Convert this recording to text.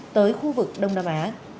tới khu vực đông nam á